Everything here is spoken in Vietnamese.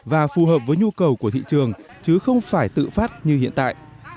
và phù hợp với nhu cầu của thị trường chứ không phải tự phát như hiện tại